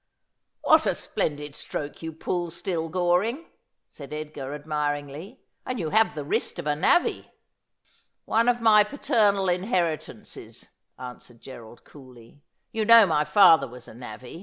' What a splendid stroke you pull still. Goring !' said Edgar admiringly, ' and you have the wrist of a navvy.' ' One of my paternal inheritances,' answered Gerald coolly ;' you know my father was a navvy.'